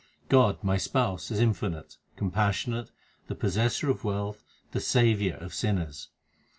God, my Spouse, is infinite, compassionate, the Possessor of wealth, the Saviour of sinners.